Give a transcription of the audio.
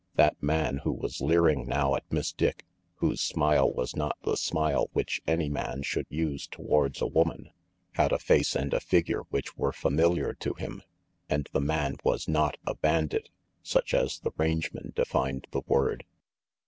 That man who was leering now at Miss Dick, whose smile was not the smile which any man should use towards a woman, had a face and a figure which were familiar to him. And the man was not a bandit, such as the rangemen defined the word.